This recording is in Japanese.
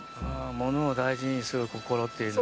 物を大事にする心っていうのが。